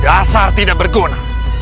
dasar tidak berguna